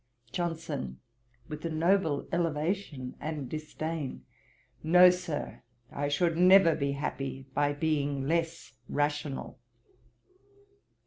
JOHNSON: (with a noble elevation and disdain,) 'No, Sir, I should never be happy by being less rational.'